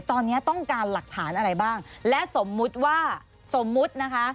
ตอนนี้ต้องการหลักฐานอะไรบ้างและสมมุติว่าสมมุตินะคะ